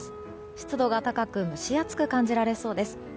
湿度が高く蒸し暑く感じられそうです。